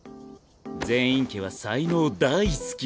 禪院家は才能大好き。